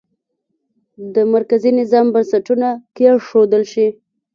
د مرکزي نظام بنسټونه کېښودل شي.